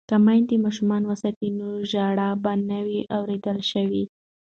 که میندې ماشوم وساتي نو ژړا به نه وي اوریدل شوې.